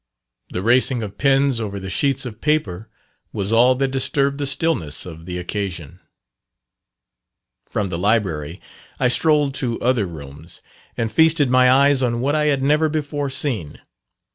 The racing of pens over the sheets of paper was all that disturbed the stillness of the occasion. From the Library I strolled to other rooms, and feasted my eyes on what I had never before seen.